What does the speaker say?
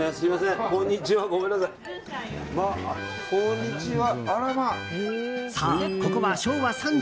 こんにちは。